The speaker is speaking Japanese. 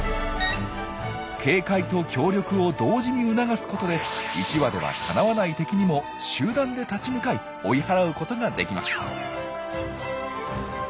警戒と協力を同時に促すことで１羽ではかなわない敵にも集団で立ち向かい追い払うことができます。